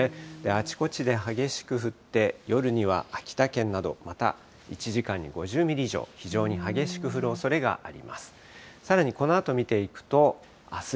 あちこちで激しく降って、夜には秋田県など、また１時間に５０ミリ以上、非常に激しく降るおそれがあります。